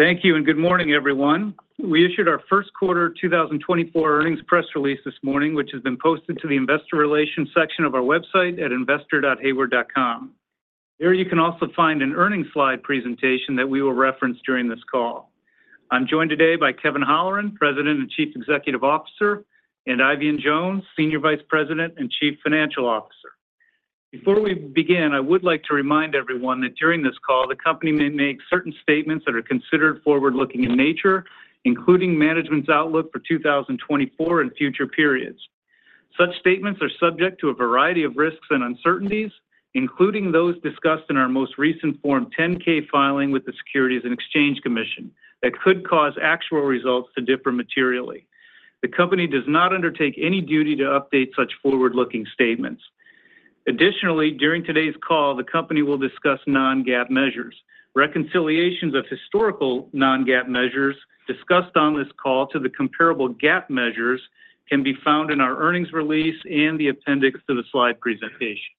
Thank you and good morning, everyone. We issued our first quarter 2024 earnings press release this morning, which has been posted to the investor relations section of our website at investor.hayward.com. There you can also find an earnings slide presentation that we will reference during this call. I'm joined today by Kevin Holleran, President and Chief Executive Officer, and Eifion Jones, Senior Vice President and Chief Financial Officer. Before we begin, I would like to remind everyone that during this call the company may make certain statements that are considered forward-looking in nature, including management's outlook for 2024 and future periods. Such statements are subject to a variety of risks and uncertainties, including those discussed in our most recent Form 10-K filing with the Securities and Exchange Commission, that could cause actual results to differ materially. The company does not undertake any duty to update such forward-looking statements. Additionally, during today's call the company will discuss non-GAAP measures. Reconciliations of historical non-GAAP measures discussed on this call to the comparable GAAP measures can be found in our earnings release and the appendix to the slide presentation.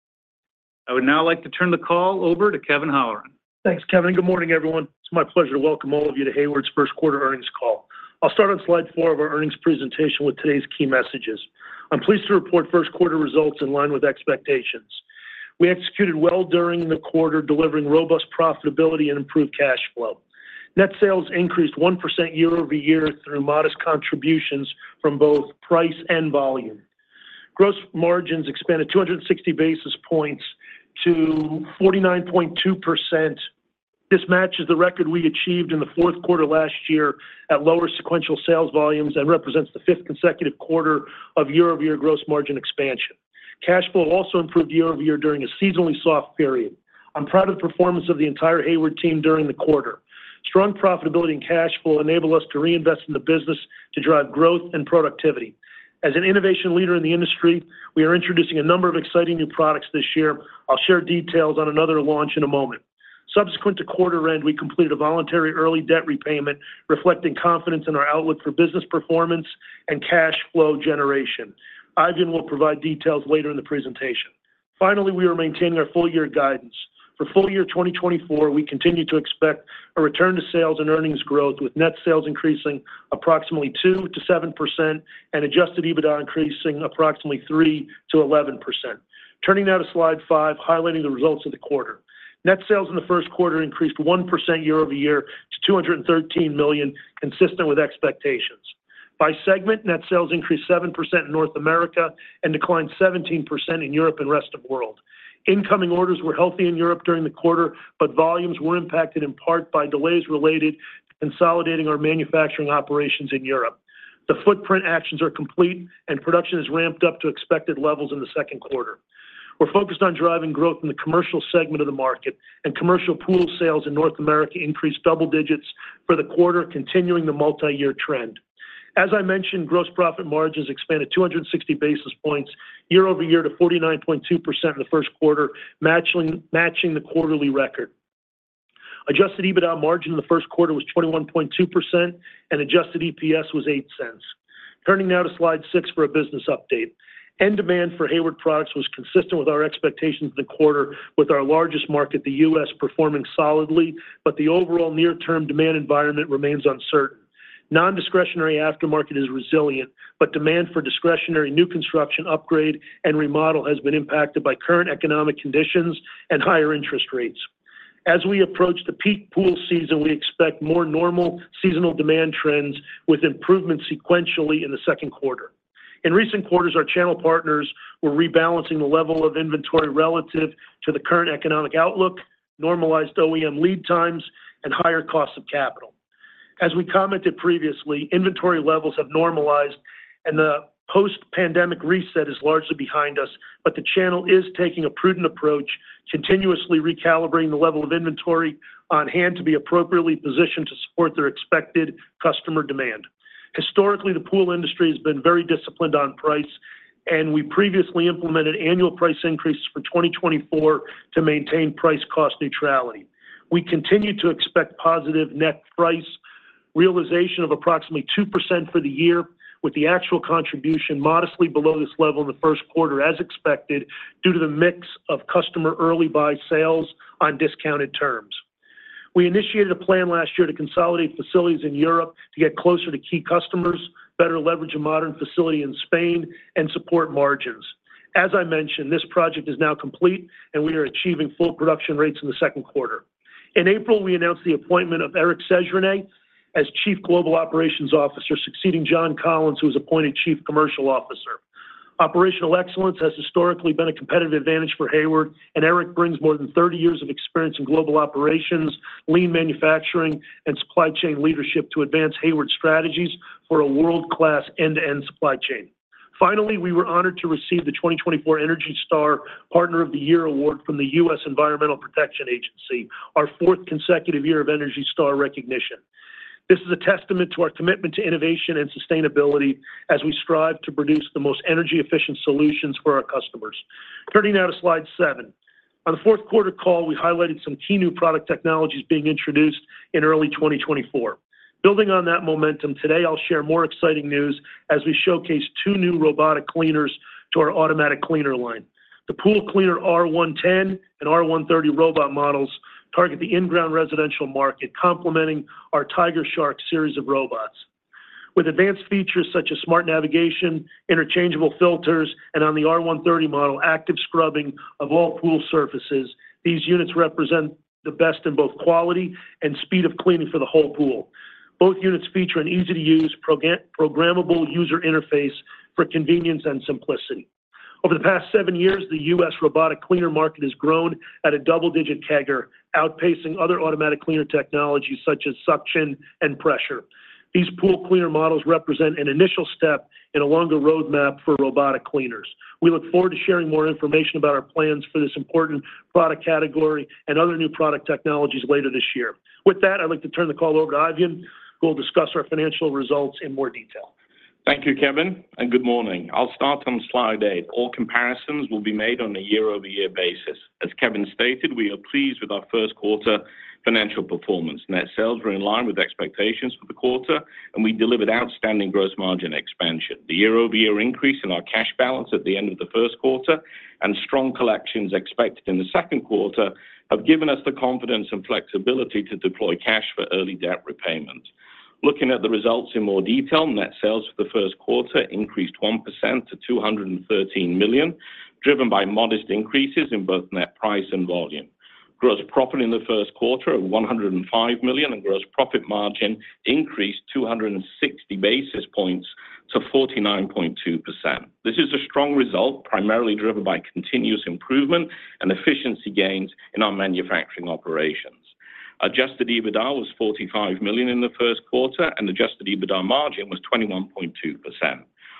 I would now like to turn the call over to Kevin Holleran. Thanks, Kevin. And good morning, everyone. It's my pleasure to welcome all of you to Hayward's first quarter earnings call. I'll start on slide four of our earnings presentation with today's key messages. I'm pleased to report first quarter results in line with expectations. We executed well during the quarter, delivering robust profitability and improved cash flow. Net sales increased 1% year over year through modest contributions from both price and volume. Gross margins expanded 260 basis points to 49.2%. This matches the record we achieved in the fourth quarter last year at lower sequential sales volumes and represents the fifth consecutive quarter of year-over-year gross margin expansion. Cash flow also improved year over year during a seasonally soft period. I'm proud of the performance of the entire Hayward team during the quarter. Strong profitability and cash flow enable us to reinvest in the business to drive growth and productivity. As an innovation leader in the industry, we are introducing a number of exciting new products this year. I'll share details on another launch in a moment. Subsequent to quarter end, we completed a voluntary early debt repayment, reflecting confidence in our outlook for business performance and cash flow generation. Eifion will provide details later in the presentation. Finally, we are maintaining our full-year guidance. For full year 2024, we continue to expect a return to sales and earnings growth, with net sales increasing approximately 2%-7% and adjusted EBITDA increasing approximately 3%-11%. Turning now to slide five, highlighting the results of the quarter. Net sales in the first quarter increased 1% year-over-year to $213 million, consistent with expectations. By segment, net sales increased 7% in North America and declined 17% in Europe and rest of the world. Incoming orders were healthy in Europe during the quarter, but volumes were impacted in part by delays related to consolidating our manufacturing operations in Europe. The footprint actions are complete, and production has ramped up to expected levels in the second quarter. We're focused on driving growth in the commercial segment of the market, and commercial pool sales in North America increased double digits for the quarter, continuing the multi-year trend. As I mentioned, gross profit margins expanded 260 basis points year-over-year to 49.2% in the first quarter, matching the quarterly record. Adjusted EBITDA margin in the first quarter was 21.2%, and adjusted EPS was $0.08. Turning now to slide six for a business update. End demand for Hayward products was consistent with our expectations in the quarter, with our largest market, the U.S., performing solidly, but the overall near-term demand environment remains uncertain. Nondiscretionary aftermarket is resilient, but demand for discretionary new construction, upgrade, and remodel has been impacted by current economic conditions and higher interest rates. As we approach the peak pool season, we expect more normal seasonal demand trends with improvements sequentially in the second quarter. In recent quarters, our channel partners were rebalancing the level of inventory relative to the current economic outlook, normalized OEM lead times, and higher costs of capital. As we commented previously, inventory levels have normalized, and the post-pandemic reset is largely behind us, but the channel is taking a prudent approach, continuously recalibrating the level of inventory on hand to be appropriately positioned to support their expected customer demand. Historically, the pool industry has been very disciplined on price, and we previously implemented annual price increases for 2024 to maintain price-cost neutrality. We continue to expect positive net price realization of approximately 2% for the year, with the actual contribution modestly below this level in the first quarter, as expected due to the mix of customer early buy sales on discounted terms. We initiated a plan last year to consolidate facilities in Europe to get closer to key customers, better leverage a modern facility in Spain, and support margins. As I mentioned, this project is now complete, and we are achieving full production rates in the second quarter. In April, we announced the appointment of Eric Sejourne as Chief Global Operations Officer, succeeding John Collins, who was appointed Chief Commercial Officer. Operational excellence has historically been a competitive advantage for Hayward, and Eric brings more than 30 years of experience in global operations, lean manufacturing, and supply chain leadership to advance Hayward strategies for a world-class end-to-end supply chain. Finally, we were honored to receive the 2024 Energy Star Partner of the Year Award from the U.S. Environmental Protection Agency, our fourth consecutive year of Energy Star recognition. This is a testament to our commitment to innovation and sustainability as we strive to produce the most energy-efficient solutions for our customers. Turning now to slide seven. On the fourth quarter call, we highlighted some key new product technologies being introduced in early 2024. Building on that momentum, today I'll share more exciting news as we showcase two new robotic cleaners to our automatic cleaner line. The Pool Cleaner R110 and R130 robot models target the in-ground residential market, complementing our TigerShark series of robots. With advanced features such as smart navigation, interchangeable filters, and on the R130 model, active scrubbing of all pool surfaces, these units represent the best in both quality and speed of cleaning for the whole pool. Both units feature an easy-to-use, programmable user interface for convenience and simplicity. Over the past seven years, the U.S. robotic cleaner market has grown at a double-digit CAGR, outpacing other automatic cleaner technologies such as suction and pressure. These Pool Cleaner models represent an initial step in a longer roadmap for robotic cleaners. We look forward to sharing more information about our plans for this important product category and other new product technologies later this year. With that, I'd like to turn the call over to Eifion, who will discuss our financial results in more detail. Thank you, Kevin, and good morning. I'll start on slide eight. All comparisons will be made on a year-over-year basis. As Kevin stated, we are pleased with our first quarter financial performance. Net sales were in line with expectations for the quarter, and we delivered outstanding gross margin expansion. The year-over-year increase in our cash balance at the end of the first quarter and strong collections expected in the second quarter have given us the confidence and flexibility to deploy cash for early debt repayment. Looking at the results in more detail, net sales for the first quarter increased 1% to $213 million, driven by modest increases in both net price and volume. Gross profit in the first quarter of $105 million, and gross profit margin increased 260 basis points to 49.2%. This is a strong result, primarily driven by continuous improvement and efficiency gains in our manufacturing operations. Adjusted EBITDA was $45 million in the first quarter, and adjusted EBITDA margin was 21.2%.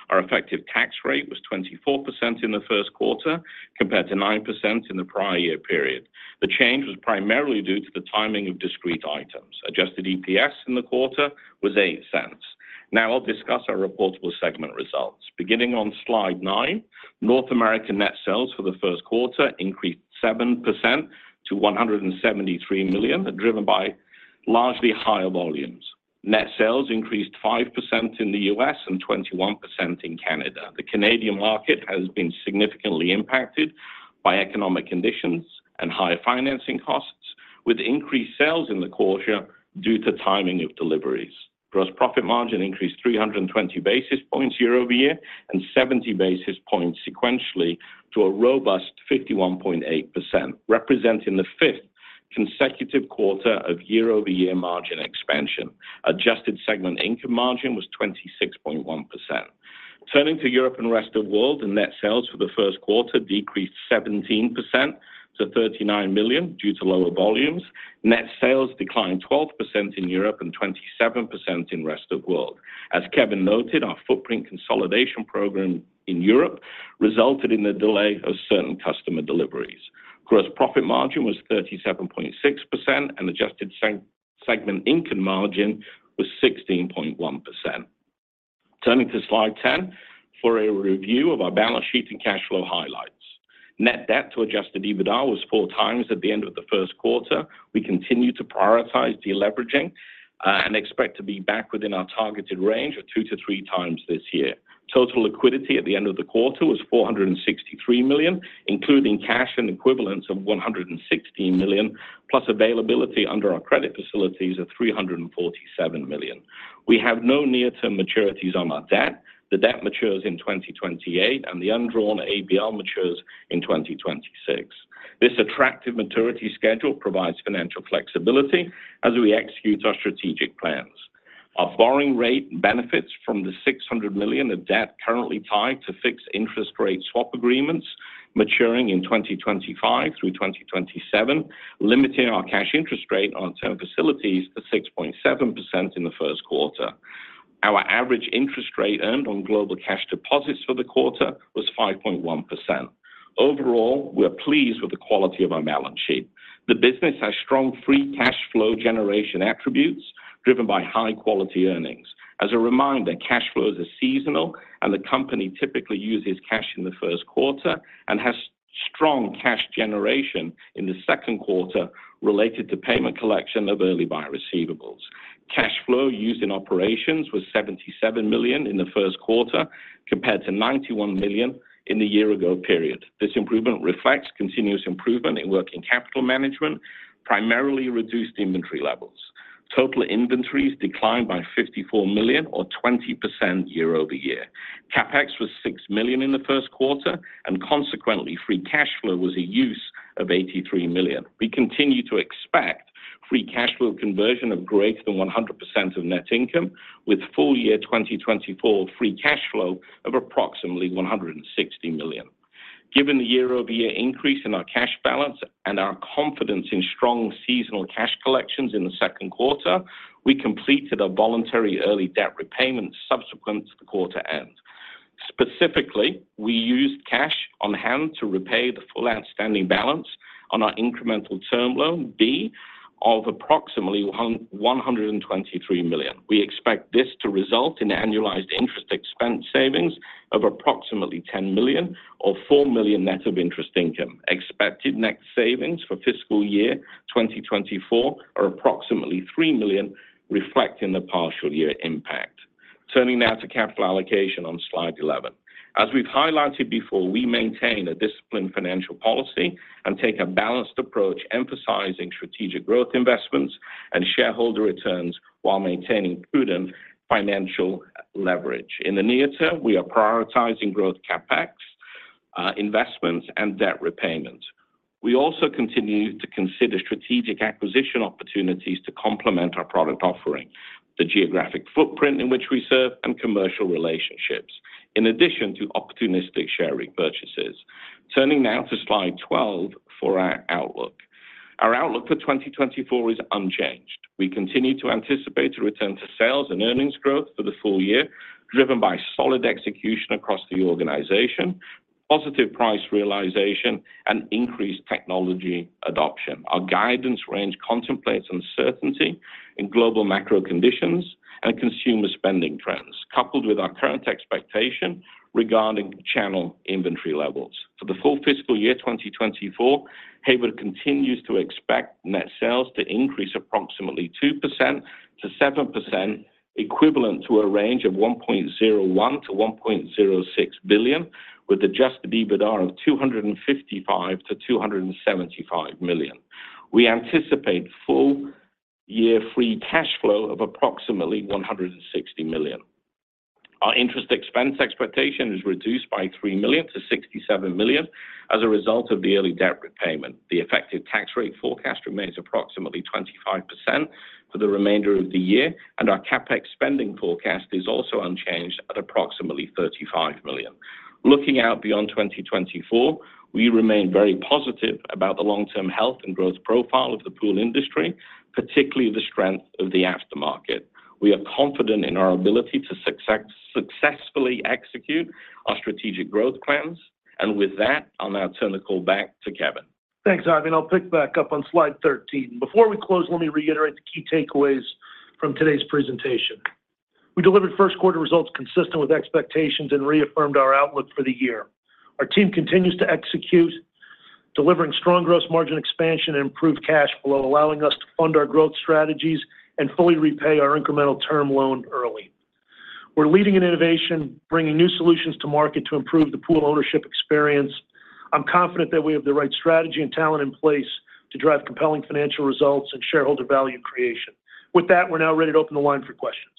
Our effective tax rate was 24% in the first quarter, compared to 9% in the prior year period. The change was primarily due to the timing of discrete items. Adjusted EPS in the quarter was $0.08. Now I'll discuss our reportable segment results. Beginning on slide nine, North American net sales for the first quarter increased 7% to $173 million, driven by largely higher volumes. Net sales increased 5% in the U.S. and 21% in Canada. The Canadian market has been significantly impacted by economic conditions and higher financing costs, with increased sales in the quarter due to timing of deliveries. Gross profit margin increased 320 basis points year-over-year and 70 basis points sequentially to a robust 51.8%, representing the fifth consecutive quarter of year-over-year margin expansion. Adjusted segment income margin was 26.1%. Turning to Europe and rest of the world, net sales for the first quarter decreased 17% to $39 million due to lower volumes. Net sales declined 12% in Europe and 27% in rest of the world. As Kevin noted, our footprint consolidation program in Europe resulted in the delay of certain customer deliveries. Gross profit margin was 37.6%, and adjusted segment income margin was 16.1%. Turning to Slide 10 for a review of our balance sheet and cash flow highlights. Net debt to Adjusted EBITDA was 4x at the end of the first quarter. We continue to prioritize deleveraging and expect to be back within our targeted range of 2x-3x this year. Total liquidity at the end of the quarter was $463 million, including cash and equivalents of $116 million, plus availability under our credit facilities of $347 million. We have no near-term maturities on our debt. The debt matures in 2028, and the undrawn ABL matures in 2026. This attractive maturity schedule provides financial flexibility as we execute our strategic plans. Our borrowing rate benefits from the $600 million of debt currently tied to fixed interest rate swap agreements, maturing in 2025 through 2027, limiting our cash interest rate on our term facilities to 6.7% in the first quarter. Our average interest rate earned on global cash deposits for the quarter was 5.1%. Overall, we're pleased with the quality of our balance sheet. The business has strong free cash flow generation attributes, driven by high-quality earnings. As a reminder, cash flow is seasonal, and the company typically uses cash in the first quarter and has strong cash generation in the second quarter related to payment collection of early buy receivables. Cash flow used in operations was $77 million in the first quarter, compared to $91 million in the year-ago period. This improvement reflects continuous improvement in working capital management, primarily reduced inventory levels. Total inventories declined by $54 million, or 20% year over year. CapEx was $6 million in the first quarter, and consequently, free cash flow was a use of $83 million. We continue to expect free cash flow conversion of greater than 100% of net income, with full year 2024 free cash flow of approximately $160 million. Given the year-over-year increase in our cash balance and our confidence in strong seasonal cash collections in the second quarter, we completed our voluntary early debt repayment subsequent to the quarter end. Specifically, we used cash on hand to repay the full outstanding balance on our incremental Term Loan B of approximately $123 million. We expect this to result in annualized interest expense savings of approximately $10 million, or $4 million net of interest income. Expected net savings for fiscal year 2024 are approximately $3 million, reflecting the partial year impact. Turning now to capital allocation on slide 11. As we've highlighted before, we maintain a disciplined financial policy and take a balanced approach, emphasizing strategic growth investments and shareholder returns while maintaining prudent financial leverage. In the near term, we are prioritizing growth CapEx investments and debt repayment. We also continue to consider strategic acquisition opportunities to complement our product offering, the geographic footprint in which we serve, and commercial relationships, in addition to opportunistic share repurchases. Turning now to slide 12 for our outlook. Our outlook for 2024 is unchanged. We continue to anticipate a return to sales and earnings growth for the full year, driven by solid execution across the organization, positive price realization, and increased technology adoption. Our guidance range contemplates uncertainty in global macro conditions and consumer spending trends, coupled with our current expectation regarding channel inventory levels. For the full fiscal year 2024, Hayward continues to expect net sales to increase approximately 2%-7%, equivalent to a range of $1.01 billion-$1.06 billion, with adjusted EBITDA of $255 million-$275 million. We anticipate full year free cash flow of approximately $160 million. Our interest expense expectation is reduced by $3 million to $67 million as a result of the early debt repayment. The effective tax rate forecast remains approximately 25% for the remainder of the year, and our CapEx spending forecast is also unchanged at approximately $35 million. Looking out beyond 2024, we remain very positive about the long-term health and growth profile of the pool industry, particularly the strength of the aftermarket. We are confident in our ability to successfully execute our strategic growth plans. With that, I'll now turn the call back to Kevin. Thanks, Eifion. I'll pick back up on slide 13. Before we close, let me reiterate the key takeaways from today's presentation. We delivered first quarter results consistent with expectations and reaffirmed our outlook for the year. Our team continues to execute, delivering strong gross margin expansion and improved cash flow, allowing us to fund our growth strategies and fully repay our incremental term loan early. We're leading in innovation, bringing new solutions to market to improve the pool ownership experience. I'm confident that we have the right strategy and talent in place to drive compelling financial results and shareholder value creation. With that, we're now ready to open the line for questions.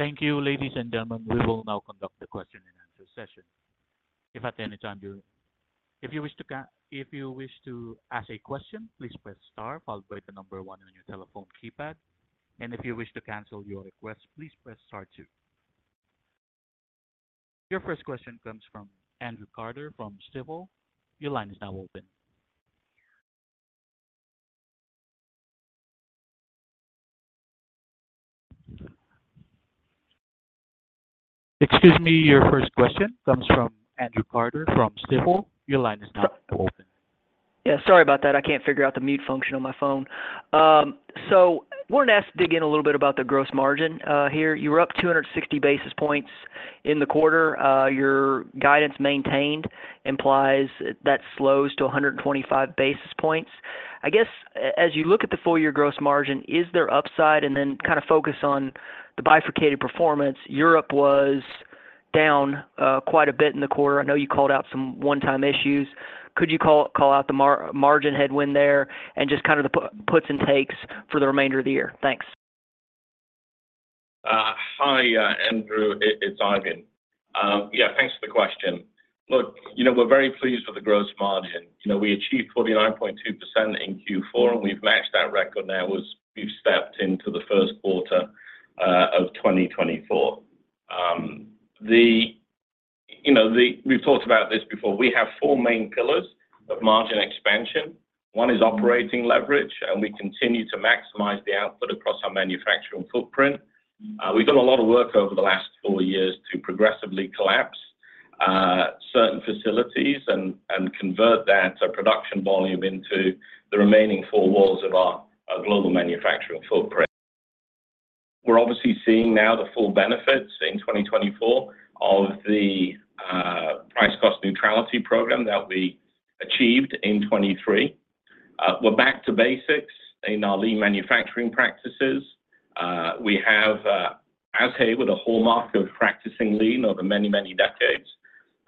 Thank you, ladies and gentlemen. We will now conduct the question-and-answer session. If at any time you wish to ask a question, please press star followed by the number one on your telephone keypad. If you wish to cancel your request, please press star two. Your first question comes from Andrew Carter from Stifel. Your line is now open. Excuse me. Your first question comes from Andrew Carter from Stifel. Your line is now open. Yeah. Sorry about that. I can't figure out the mute function on my phone. So I wanted to ask to dig in a little bit about the gross margin here. You were up 260 basis points in the quarter. Your guidance maintained implies that slows to 125 basis points. I guess as you look at the full year gross margin, is there upside? And then kind of focus on the bifurcated performance. Europe was down quite a bit in the quarter. I know you called out some one-time issues. Could you call out the margin headwind there and just kind of the puts and takes for the remainder of the year? Thanks. Hi, Andrew. It's Eifion. Yeah. Thanks for the question. Look, we're very pleased with the gross margin. We achieved 49.2% in Q4, and we've matched that record now as we've stepped into the first quarter of 2024. We've talked about this before. We have four main pillars of margin expansion. One is operating leverage, and we continue to maximize the output across our manufacturing footprint. We've done a lot of work over the last four years to progressively collapse certain facilities and convert that production volume into the remaining four walls of our global manufacturing footprint. We're obviously seeing now the full benefits in 2024 of the price-cost neutrality program that we achieved in 2023. We're back to basics in our lean manufacturing practices. We have, as Hayward, a hallmark of practicing lean over many, many decades,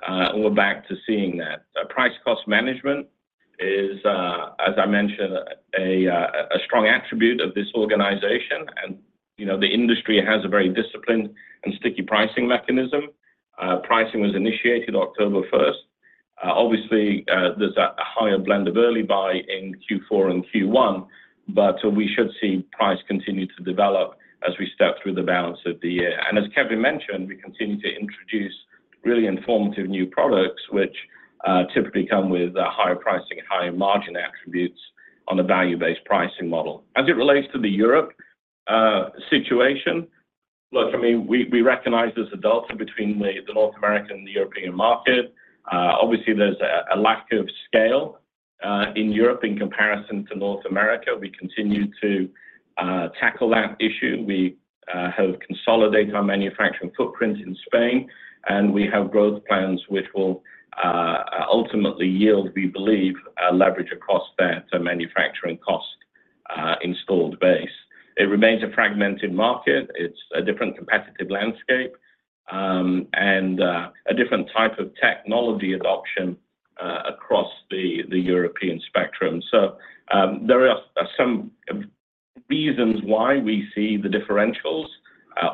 and we're back to seeing that. Price-cost management is, as I mentioned, a strong attribute of this organization. The industry has a very disciplined and sticky pricing mechanism. Pricing was initiated October 1st. Obviously, there's a higher blend of early buy in Q4 and Q1, but we should see price continue to develop as we step through the balance of the year. As Kevin mentioned, we continue to introduce really informative new products, which typically come with higher pricing and higher margin attributes on a value-based pricing model. As it relates to the Europe situation, look, I mean, we recognize there's a delta between the North American and the European market. Obviously, there's a lack of scale in Europe in comparison to North America. We continue to tackle that issue. We have consolidated our manufacturing footprint in Spain, and we have growth plans which will ultimately yield, we believe, leverage across that manufacturing cost installed base. It remains a fragmented market. It's a different competitive landscape and a different type of technology adoption across the European spectrum. So there are some reasons why we see the differentials,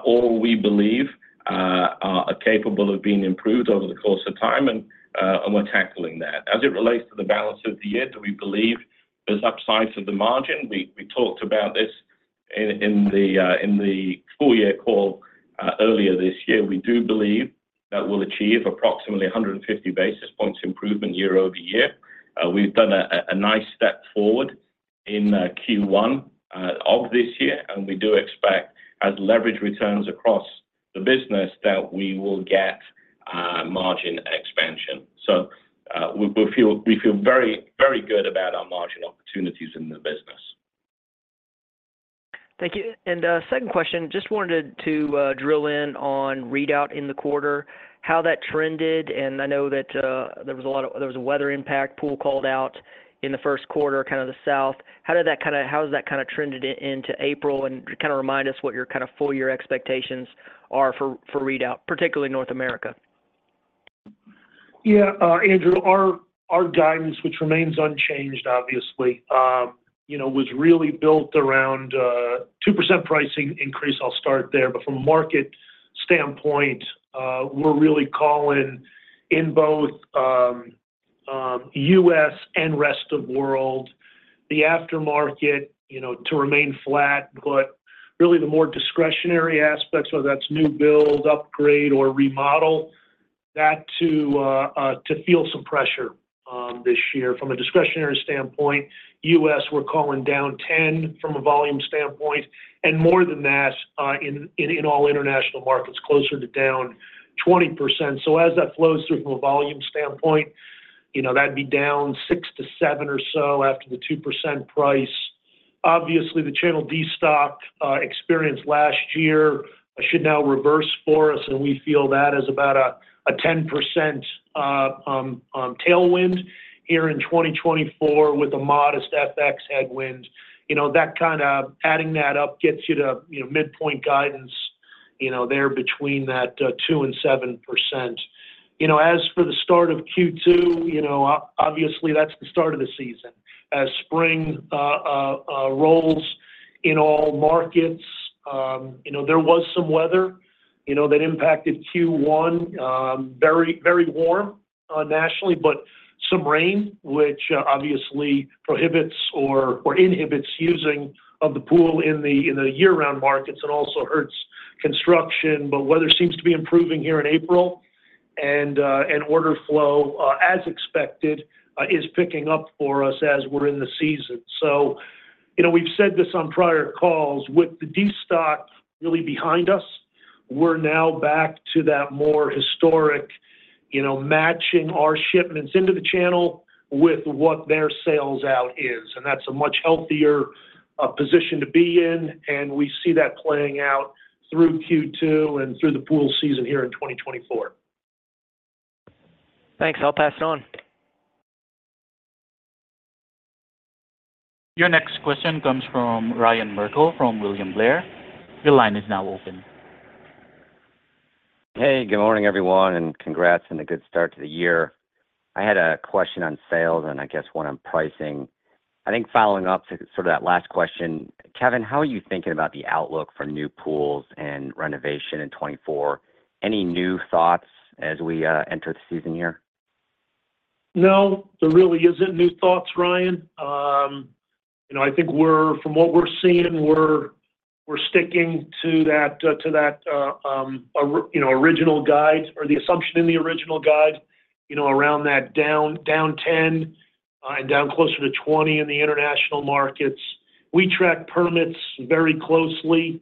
or we believe are capable of being improved over the course of time, and we're tackling that. As it relates to the balance of the year, do we believe there's upsides to the margin? We talked about this in the full year call earlier this year. We do believe that we'll achieve approximately 150 basis points improvement year-over-year. We've done a nice step forward in Q1 of this year, and we do expect, as leverage returns across the business, that we will get margin expansion. So we feel very, very good about our margin opportunities in the business. Thank you. And second question, just wanted to drill in on readout in the quarter, how that trended. And I know that there was a lot of weather impact, pool called out in the first quarter, kind of the south. How has that kind of trended into April and kind of remind us what your kind of full year expectations are for readout, particularly North America? Yeah, Andrew. Our guidance, which remains unchanged, obviously, was really built around 2% pricing increase. I'll start there. But from a market standpoint, we're really calling in both U.S. and rest of the world, the aftermarket to remain flat, but really the more discretionary aspects, whether that's new build, upgrade, or remodel, that to feel some pressure this year. From a discretionary standpoint, U.S., we're calling down 10% from a volume standpoint. And more than that, in all international markets, closer to down 20%. So as that flows through from a volume standpoint, that'd be down 6%-7% or so after the 2% price. Obviously, the channel destock experience last year should now reverse for us, and we feel that as about a 10% tailwind here in 2024 with a modest FX headwind. That kind of adding that up gets you to midpoint guidance there between that 2%-7%. As for the start of Q2, obviously, that's the start of the season. As spring rolls in all markets, there was some weather that impacted Q1, very, very warm nationally, but some rain, which obviously prohibits or inhibits use of the pool in the year-round markets and also hurts construction. But weather seems to be improving here in April, and order flow, as expected, is picking up for us as we're in the season. So we've said this on prior calls. With the destock really behind us, we're now back to that more historic matching our shipments into the channel with what their sales out is. And that's a much healthier position to be in, and we see that playing out through Q2 and through the pool season here in 2024. Thanks. I'll pass it on. Your next question comes from Ryan Merkel from William Blair. Your line is now open. Hey. Good morning, everyone, and congrats on a good start to the year. I had a question on sales and, I guess, one on pricing. I think following up to sort of that last question, Kevin, how are you thinking about the outlook for new pools and renovation in 2024? Any new thoughts as we enter the season here? No, there really isn't new thoughts, Ryan. I think from what we're seeing, we're sticking to that original guide or the assumption in the original guide around that down 10% and down closer to 20% in the international markets. We track permits very closely.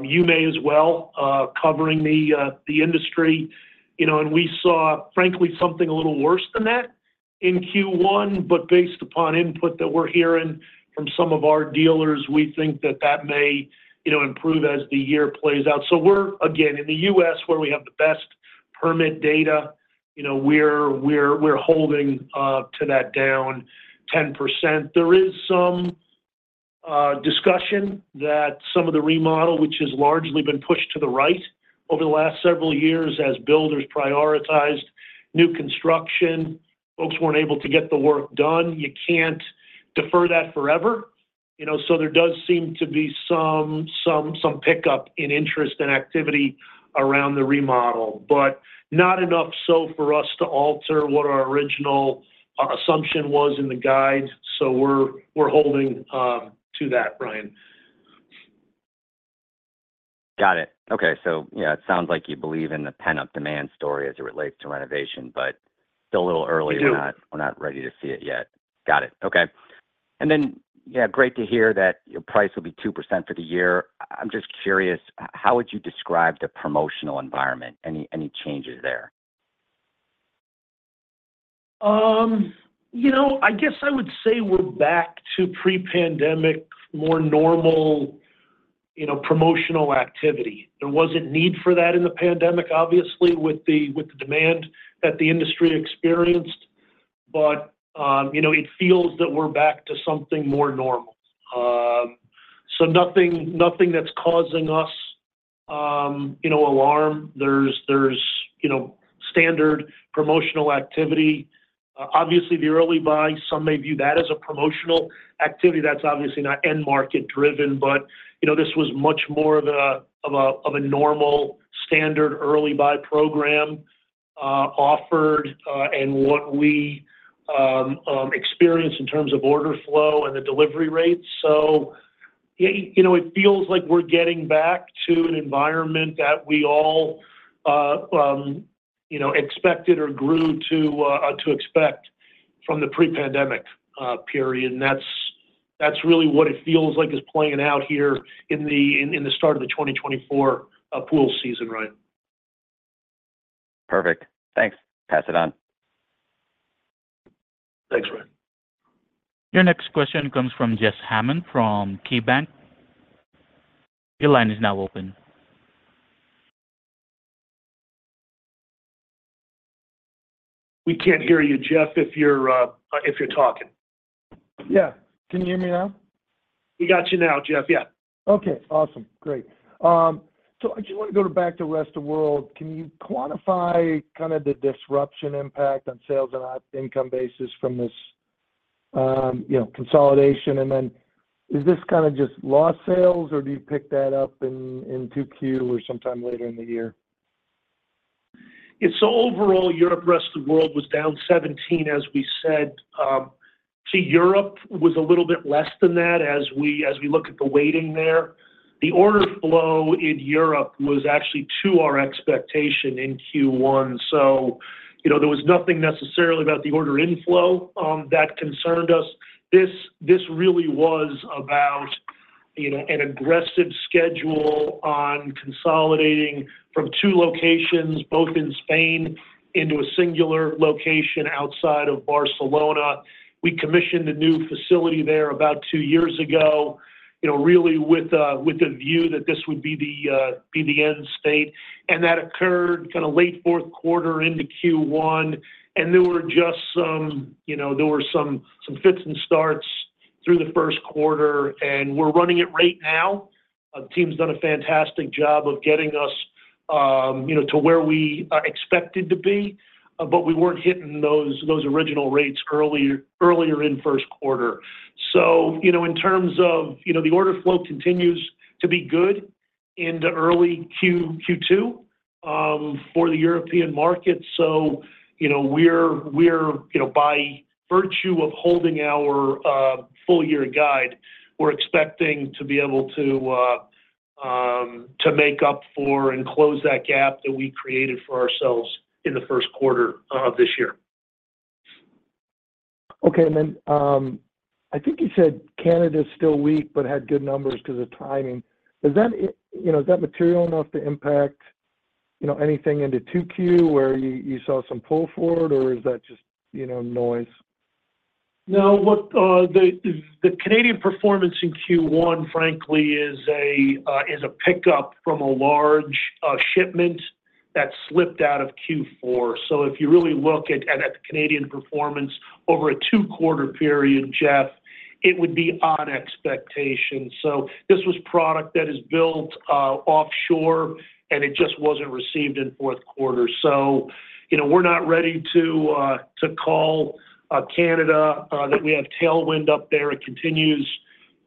You may as well, covering the industry. We saw, frankly, something a little worse than that in Q1. Based upon input that we're hearing from some of our dealers, we think that that may improve as the year plays out. So again, in the U.S., where we have the best permit data, we're holding to that down 10%. There is some discussion that some of the remodel, which has largely been pushed to the right over the last several years as builders prioritized new construction, folks weren't able to get the work done. You can't defer that forever. There does seem to be some pickup in interest and activity around the remodel, but not enough so for us to alter what our original assumption was in the guide. We're holding to that, Ryan. Got it. Okay. So yeah, it sounds like you believe in the pent-up demand story as it relates to renovation, but still a little early. We do. We're not ready to see it yet. Got it. Okay. And then yeah, great to hear that your price will be 2% for the year. I'm just curious, how would you describe the promotional environment? Any changes there? I guess I would say we're back to pre-pandemic, more normal promotional activity. There wasn't need for that in the pandemic, obviously, with the demand that the industry experienced. But it feels that we're back to something more normal. So nothing that's causing us alarm. There's standard promotional activity. Obviously, the early buy, some may view that as a promotional activity. That's obviously not end-market driven, but this was much more of a normal standard early buy program offered and what we experienced in terms of order flow and the delivery rates. So yeah, it feels like we're getting back to an environment that we all expected or grew to expect from the pre-pandemic period. And that's really what it feels like is playing out here in the start of the 2024 pool season, Ryan. Perfect. Thanks. Pass it on. Thanks, Ryan. Your next question comes from Jeff Hammond from KeyBanc. Your line is now open. We can't hear you, Jeff, if you're talking. Yeah. Can you hear me now? We got you now, Jeff. Yeah. Okay. Awesome. Great. So I just want to go back to rest of the world. Can you quantify kind of the disruption impact on sales on an income basis from this consolidation? And then is this kind of just lost sales, or do you pick that up in 2Q or sometime later in the year? Yeah. So overall, Europe, rest of the world was down 17%, as we said. See, Europe was a little bit less than that as we look at the weighting there. The order flow in Europe was actually to our expectation in Q1. So there was nothing necessarily about the order inflow that concerned us. This really was about an aggressive schedule on consolidating from two locations, both in Spain, into a singular location outside of Barcelona. We commissioned a new facility there about two years ago, really with a view that this would be the end state. And that occurred kind of late fourth quarter into Q1. And there were just some fits and starts through the first quarter. And we're running it right now. The team's done a fantastic job of getting us to where we expected to be, but we weren't hitting those original rates earlier in first quarter. So in terms of the order flow continues to be good into early Q2 for the European markets. So by virtue of holding our full year guide, we're expecting to be able to make up for and close that gap that we created for ourselves in the first quarter of this year. Okay. And then I think you said Canada's still weak but had good numbers because of timing. Is that material enough to impact anything into 2Q where you saw some pull forward, or is that just noise? No. The Canadian performance in Q1, frankly, is a pickup from a large shipment that slipped out of Q4. So if you really look at the Canadian performance over a two-quarter period, Jeff, it would be on expectation. So this was product that is built offshore, and it just wasn't received in fourth quarter. So we're not ready to call Canada that we have tailwind up there. It continues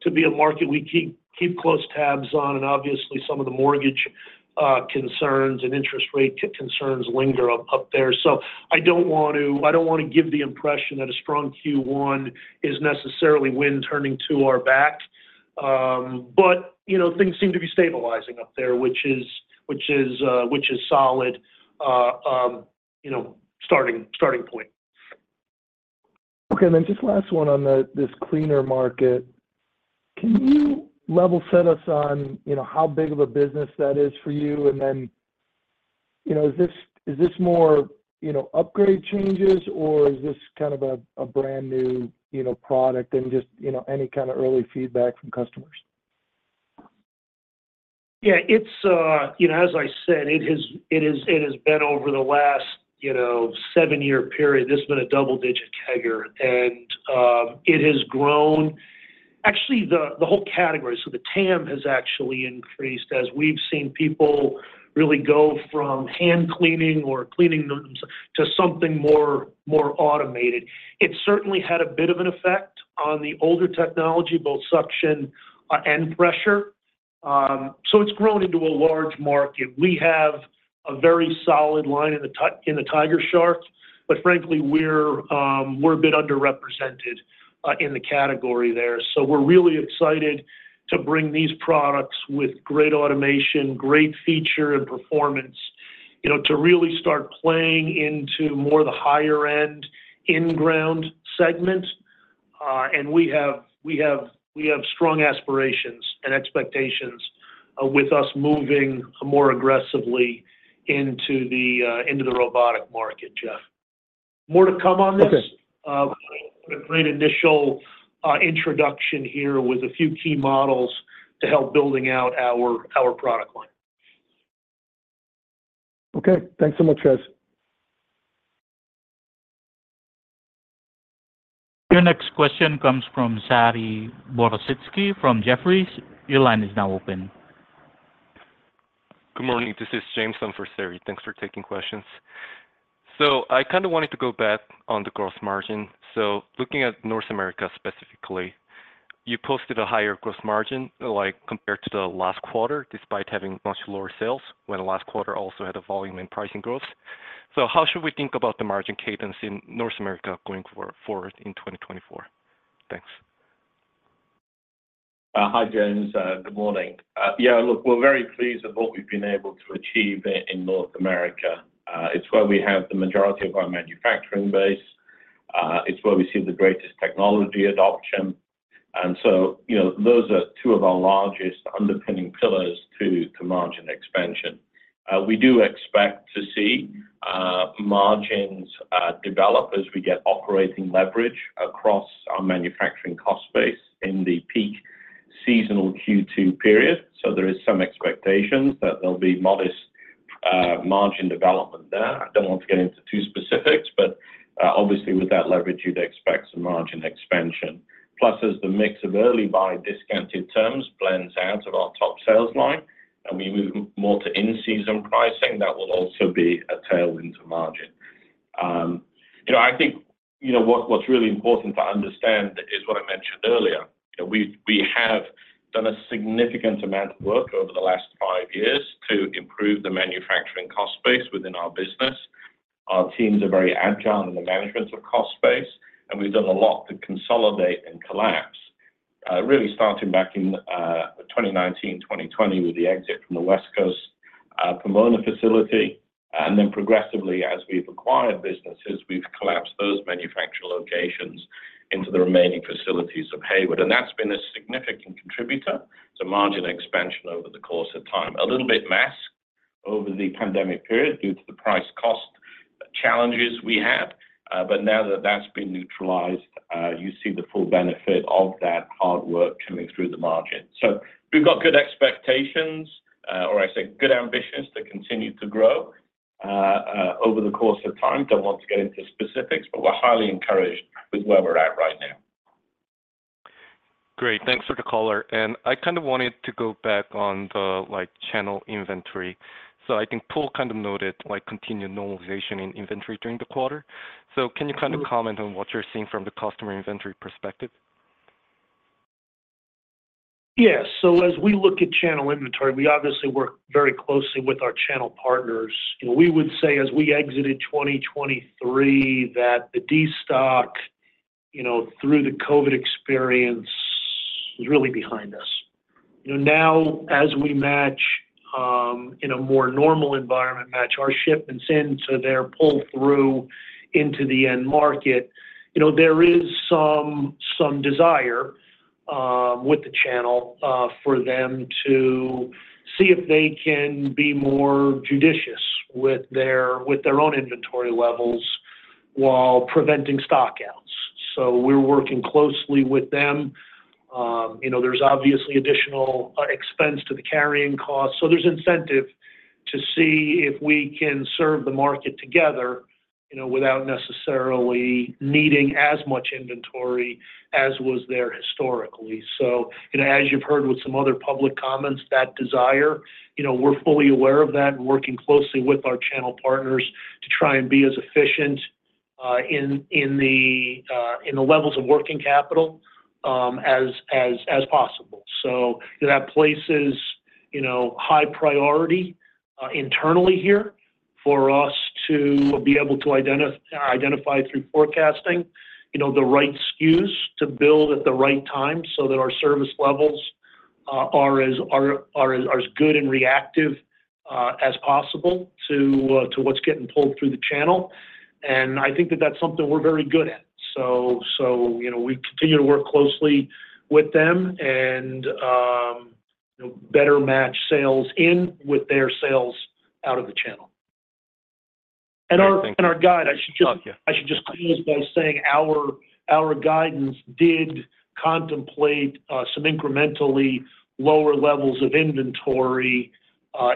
to be a market we keep close tabs on. And obviously, some of the mortgage concerns and interest rate concerns linger up there. So I don't want to I don't want to give the impression that a strong Q1 is necessarily wind turning to our back. But things seem to be stabilizing up there, which is solid starting point. Okay. And then just last one on this cleaner market. Can you level set us on how big of a business that is for you? And then is this more upgrade changes, or is this kind of a brand new product and just any kind of early feedback from customers? Yeah. As I said, it has been over the last seven-year period. This has been a double-digit CAGR. And it has grown actually, the whole category. So the TAM has actually increased as we've seen people really go from hand cleaning or cleaning themselves to something more automated. It certainly had a bit of an effect on the older technology, both suction and pressure. So it's grown into a large market. We have a very solid line in the TigerShark. But frankly, we're a bit underrepresented in the category there. So we're really excited to bring these products with great automation, great feature, and performance to really start playing into more the higher-end in-ground segment. And we have strong aspirations and expectations with us moving more aggressively into the robotic market, Jeff. More to come on this. A great initial introduction here with a few key models to help building out our product line. Okay. Thanks so much, Chaz. Your next question comes from Saree Boroditsky from Jefferies. Your line is now open. Good morning. This is James Sun for Saree. Thanks for taking questions. So I kind of wanted to go back on the gross margin. So looking at North America specifically, you posted a higher gross margin compared to the last quarter despite having much lower sales when the last quarter also had a volume and pricing growth. So how should we think about the margin cadence in North America going forward in 2024? Thanks. Hi, James. Good morning. Yeah. Look, we're very pleased with what we've been able to achieve in North America. It's where we have the majority of our manufacturing base. It's where we see the greatest technology adoption. And so those are two of our largest underpinning pillars to margin expansion. We do expect to see margins develop as we get operating leverage across our manufacturing cost base in the peak seasonal Q2 period. So there is some expectations that there'll be modest margin development there. I don't want to get into too many specifics, but obviously, with that leverage, you'd expect some margin expansion. Plus, as the mix of early buy discounted terms blends out of our top sales line and we move more to in-season pricing, that will also be a tailwind to margin. I think what's really important to understand is what I mentioned earlier. We have done a significant amount of work over the last five years to improve the manufacturing cost base within our business. Our teams are very agile in the management of cost base, and we've done a lot to consolidate and collapse, really starting back in 2019, 2020 with the exit from the West Coast Pomona facility. And then progressively, as we've acquired businesses, we've collapsed those manufacturing locations into the remaining facilities of Hayward. And that's been a significant contributor to margin expansion over the course of time. A little bit masked over the pandemic period due to the price-cost challenges we had. But now that that's been neutralized, you see the full benefit of that hard work coming through the margin. So we've got good expectations, or I say good ambitions, to continue to grow over the course of time. Don't want to get into specifics, but we're highly encouraged with where we're at right now. Great. Thanks for the color. And I kind of wanted to go back on the channel inventory. So I think Paul kind of noted continued normalization in inventory during the quarter. So can you kind of comment on what you're seeing from the customer inventory perspective? Yes. So as we look at channel inventory, we obviously work very closely with our channel partners. We would say as we exited 2023 that the D-stock through the COVID experience was really behind us. Now, as we match in a more normal environment, match our shipments in to their pull through into the end market, there is some desire with the channel for them to see if they can be more judicious with their own inventory levels while preventing stockouts. So we're working closely with them. There's obviously additional expense to the carrying costs. So there's incentive to see if we can serve the market together without necessarily needing as much inventory as was there historically. So, as you've heard with some other public comments, that desire, we're fully aware of that and working closely with our channel partners to try and be as efficient in the levels of working capital as possible. So that places high priority internally here for us to be able to identify through forecasting the right SKUs to build at the right time so that our service levels are as good and reactive as possible to what's getting pulled through the channel. And I think that that's something we're very good at. So we continue to work closely with them and better match sales in with their sales out of the channel. And our guide, I should just close by saying our guidance did contemplate some incrementally lower levels of inventory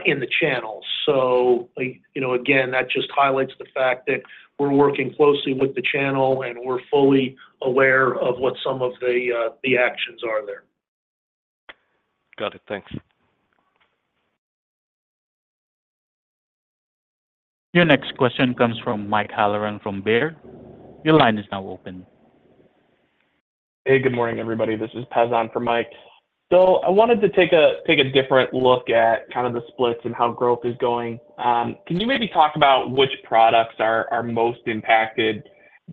in the channel. So again, that just highlights the fact that we're working closely with the channel, and we're fully aware of what some of the actions are there. Got it. Thanks. Your next question comes from Mike Halloran from Baird. Your line is now open. Hey. Good morning, everybody. This is Pezan from Mike. So I wanted to take a different look at kind of the splits and how growth is going. Can you maybe talk about which products are most impacted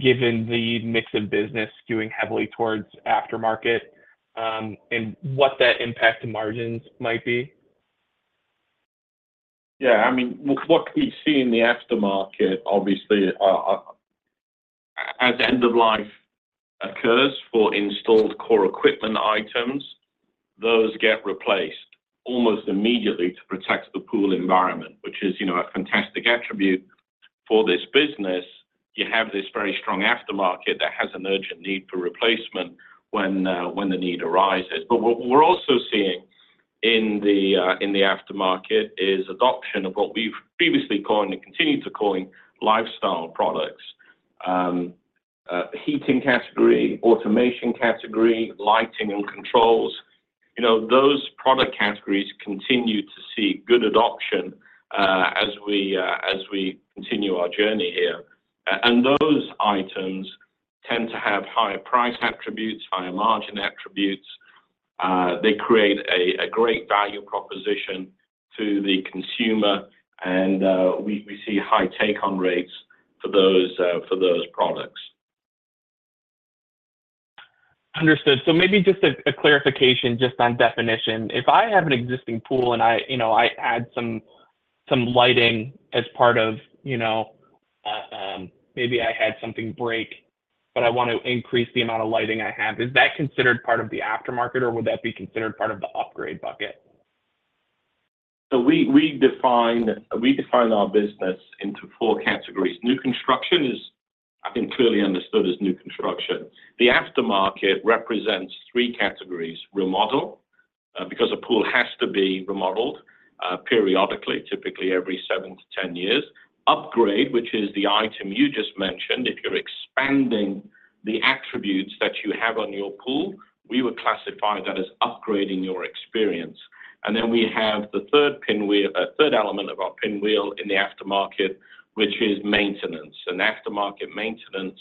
given the mix of business skewing heavily towards aftermarket and what that impact to margins might be? Yeah. I mean, what we see in the aftermarket, obviously, as end-of-life occurs for installed core equipment items, those get replaced almost immediately to protect the pool environment, which is a fantastic attribute for this business. You have this very strong aftermarket that has an urgent need for replacement when the need arises. But what we're also seeing in the aftermarket is adoption of what we've previously coined and continue to coin lifestyle products: heating category, automation category, lighting, and controls. Those product categories continue to see good adoption as we continue our journey here. And those items tend to have higher price attributes, higher margin attributes. They create a great value proposition to the consumer, and we see high take-on rates for those products. Understood. Maybe just a clarification just on definition. If I have an existing pool and I add some lighting as part of maybe I had something break, but I want to increase the amount of lighting I have, is that considered part of the aftermarket, or would that be considered part of the upgrade bucket? So we define our business into four categories. New construction is, I think, clearly understood as new construction. The aftermarket represents three categories: remodel because a pool has to be remodeled periodically, typically every seven-10 years; upgrade, which is the item you just mentioned. If you're expanding the attributes that you have on your pool, we would classify that as upgrading your experience. And then we have the third element of our pinwheel in the aftermarket, which is maintenance. And aftermarket maintenance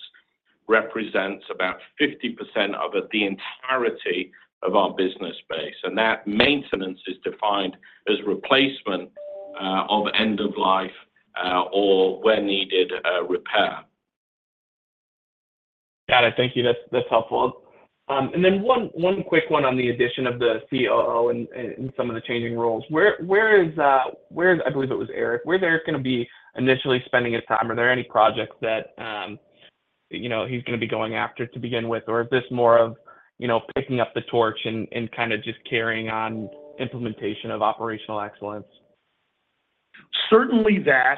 represents about 50% of the entirety of our business base. And that maintenance is defined as replacement of end-of-life or where-needed repair. Got it. Thank you. That's helpful. And then one quick one on the addition of the COO and some of the changing roles. Where is, I believe, it was Eric. Where's Eric going to be initially spending his time? Are there any projects that he's going to be going after to begin with, or is this more of picking up the torch and kind of just carrying on implementation of operational excellence? Certainly, that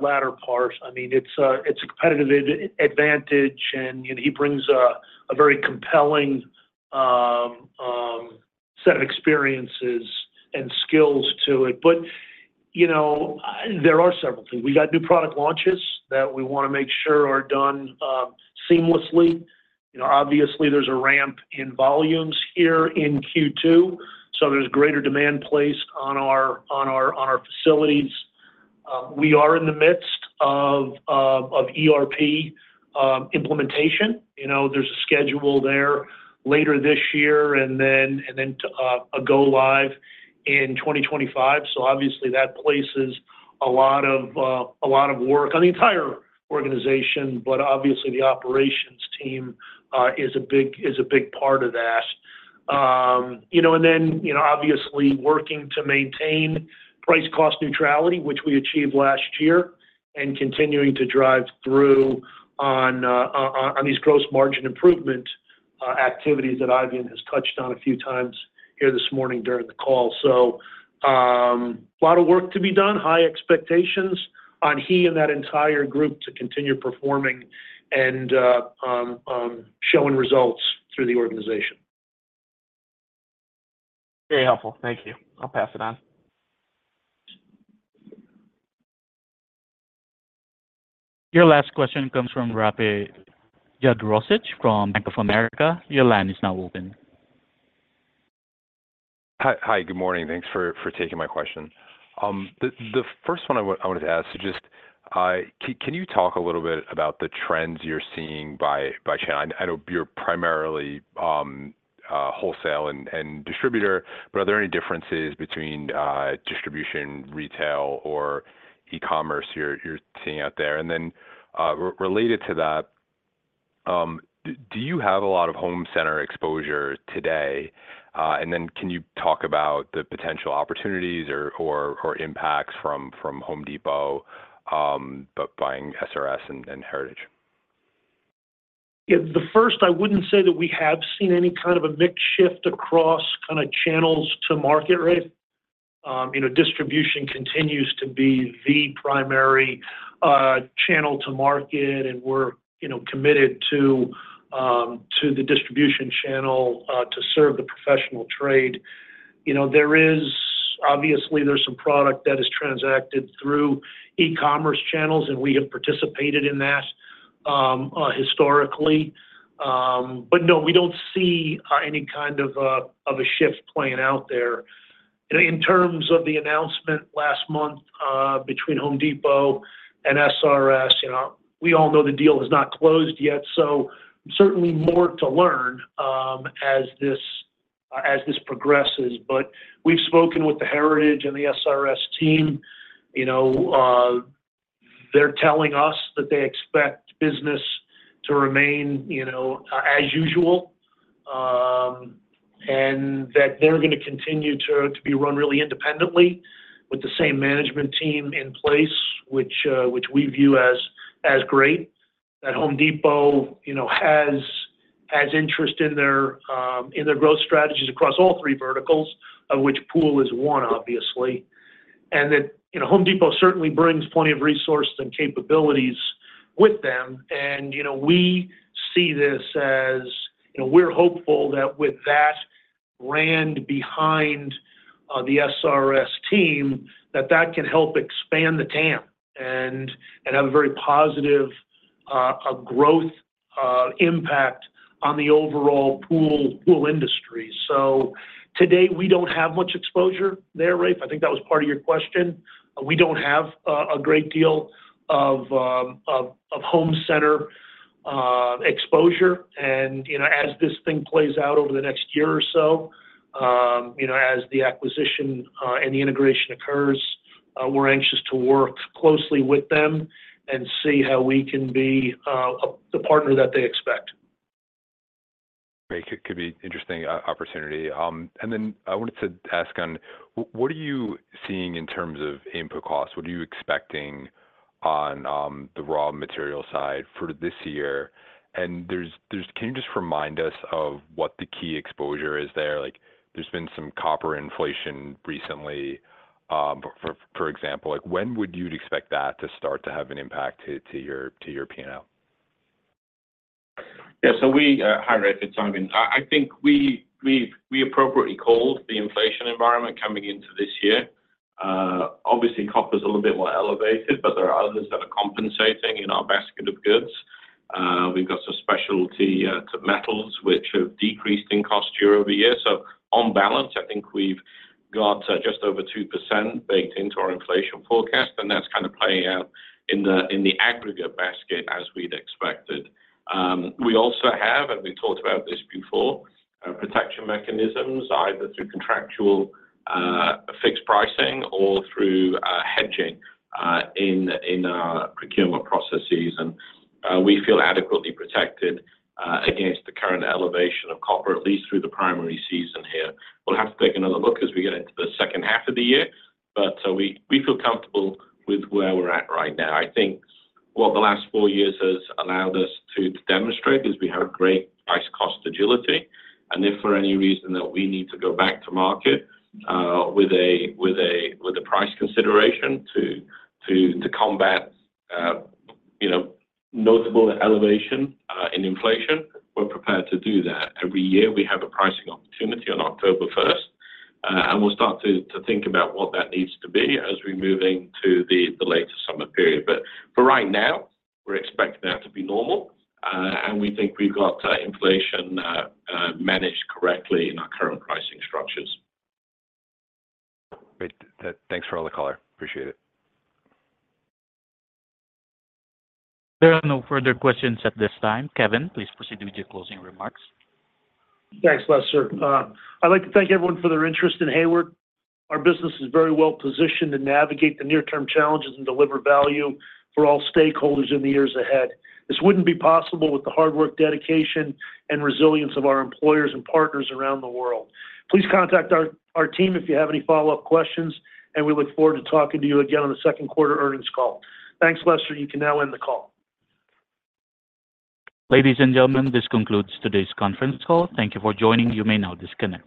latter part. I mean, it's a competitive advantage, and he brings a very compelling set of experiences and skills to it. But there are several things. We got new product launches that we want to make sure are done seamlessly. Obviously, there's a ramp in volumes here in Q2, so there's greater demand placed on our facilities. We are in the midst of ERP implementation. There's a schedule there later this year and then a go-live in 2025. So obviously, that places a lot of work on the entire organization, but obviously, the operations team is a big part of that. And then obviously, working to maintain price-cost neutrality, which we achieved last year, and continuing to drive through on these gross margin improvement activities that Eifion has touched on a few times here this morning during the call. A lot of work to be done, high expectations on him and that entire group to continue performing and showing results through the organization. Very helpful. Thank you. I'll pass it on. Your last question comes from Rafe Jadrosich from Bank of America. Your line is now open. Hi. Good morning. Thanks for taking my question. The first one I wanted to ask is just, can you talk a little bit about the trends you're seeing by channel? I know you're primarily wholesale and distributor, but are there any differences between distribution, retail, or e-commerce you're seeing out there? And then related to that, do you have a lot of home-center exposure today? And then can you talk about the potential opportunities or impacts from Home Depot buying SRS and Heritage? Yeah. The first, I wouldn't say that we have seen any kind of a mixed shift across kind of channels to market, right? Distribution continues to be the primary channel to market, and we're committed to the distribution channel to serve the professional trade. Obviously, there's some product that is transacted through e-commerce channels, and we have participated in that historically. But no, we don't see any kind of a shift playing out there. In terms of the announcement last month between Home Depot and SRS, we all know the deal has not closed yet, so certainly more to learn as this progresses. But we've spoken with the Heritage and the SRS team. They're telling us that they expect business to remain as usual and that they're going to continue to be run really independently with the same management team in place, which we view as great. The Home Depot has interest in their growth strategies across all three verticals, of which pool is one, obviously. And The Home Depot certainly brings plenty of resources and capabilities with them. And we see this as we're hopeful that with that brand behind the SRS team, that that can help expand the TAM and have a very positive growth impact on the overall pool industry. So today, we don't have much exposure there, Rafe. I think that was part of your question. We don't have a great deal of home-center exposure. And as this thing plays out over the next year or so, as the acquisition and the integration occurs, we're anxious to work closely with them and see how we can be the partner that they expect. Great. Could be an interesting opportunity. Then I wanted to ask on what are you seeing in terms of input costs? What are you expecting on the raw material side for this year? Can you just remind us of what the key exposure is there? There's been some copper inflation recently, for example. When would you expect that to start to have an impact to your P&L? Yeah. So hi, Rafe. It's Eifion. I think we appropriately called the inflation environment coming into this year. Obviously, copper's a little bit more elevated, but there are others that are compensating in our basket of goods. We've got some specialty metals, which have decreased in cost year-over-year. So on balance, I think we've got just over 2% baked into our inflation forecast, and that's kind of playing out in the aggregate basket as we'd expected. We also have, and we've talked about this before, protection mechanisms either through contractual fixed pricing or through hedging in our procurement processes. And we feel adequately protected against the current elevation of copper, at least through the primary season here. We'll have to take another look as we get into the second half of the year, but we feel comfortable with where we're at right now. I think what the last four years has allowed us to demonstrate is we have great price-cost agility. If for any reason that we need to go back to market with a price consideration to combat notable elevation in inflation, we're prepared to do that. Every year, we have a pricing opportunity on October 1st, and we'll start to think about what that needs to be as we're moving to the later summer period. For right now, we're expecting that to be normal, and we think we've got inflation managed correctly in our current pricing structures. Great. Thanks to all the callers. Appreciate it. There are no further questions at this time. Kevin, please proceed with your closing remarks. Thanks, Lester. I'd like to thank everyone for their interest in Hayward. Our business is very well positioned to navigate the near-term challenges and deliver value for all stakeholders in the years ahead. This wouldn't be possible with the hard work, dedication, and resilience of our employers and partners around the world. Please contact our team if you have any follow-up questions, and we look forward to talking to you again on the second quarter earnings call. Thanks, Lester. You can now end the call. Ladies and gentlemen, this concludes today's conference call. Thank you for joining. You may now disconnect.